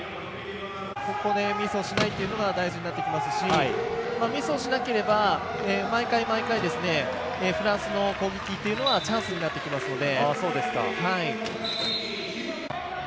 ここでミスをしないのが大事になってきますしミスをしなければ毎回毎回フランスの攻撃というのはチャンスになってきますので。